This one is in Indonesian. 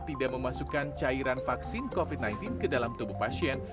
tidak memasukkan cairan vaksin covid sembilan belas ke dalam tubuh pasien